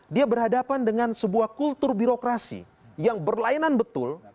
dia berhadapan dengan sebuah kultur birokrasi yang berlainan betul